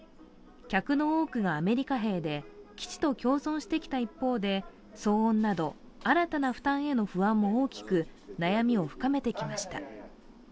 客の多くがアメリカ兵で、基地と共存してきた一方で騒音など新たな負担への不安も大きく、悩みを深めてきました。